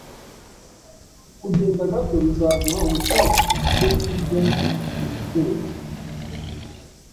Kugenda gato bizaguha ubushake bwo kurya mugitondo.